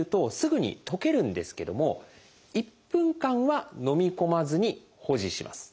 すぐに溶けるんですけども１分間はのみ込まずに保持します。